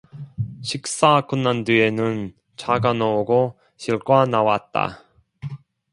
식사가 끝난 뒤에는 차가 나오고 실과가 나왔다.